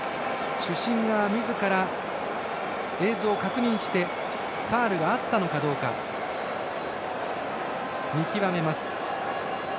主審がみずから映像を確認してファウルがあったのかどうか見極めます。